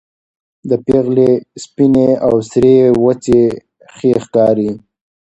د پېغلې سپينې او سرې وڅې ښې ښکاري